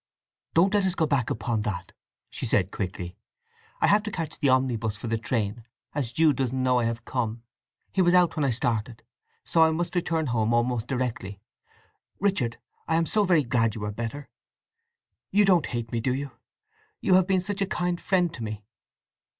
"Don't let us go back upon that!" she said quickly. "I have to catch the omnibus for the train, as Jude doesn't know I have come; he was out when I started; so I must return home almost directly. Richard, I am so very glad you are better. You don't hate me, do you? You have been such a kind friend to me!"